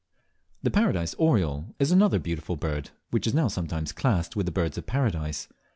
The Paradise Oriole is another beautiful bird, which is now sometimes classed with the Birds of Paradise.